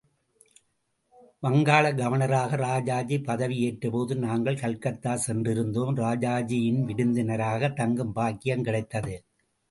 வங்காள கவர்னராக ராஜாஜி ் பதவி ஏற்றபோது நாங்கள் கல்கத்தா சென்றிருந்தோம்.ராஜாஜியின் விருந்தினராகத் தங்கும் பாக்கியம் கிடைத்தது.